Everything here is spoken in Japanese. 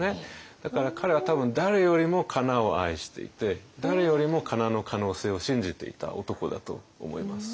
だから彼は多分誰よりもかなを愛していて誰よりもかなの可能性を信じていた男だと思います。